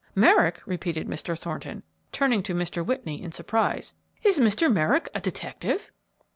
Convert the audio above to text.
"Merrick!" repeated Mr. Thornton, turning to Mr. Whitney in surprise. "Is Mr. Merrick a detective?"